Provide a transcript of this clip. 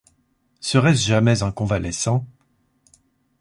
Serait-ce jamais un convalescent ?